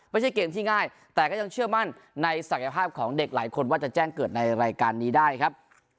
ไม่ใช่เกมที่ง่ายแต่ก็ยังเชื่อมั่นในศักยภาพของเด็กหลายคนว่าจะแจ้งเกิดในรายการนี้ได้ครับ